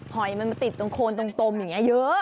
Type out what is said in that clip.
หอยมันมาติดตรงโคนตรงตมอย่างนี้เยอะ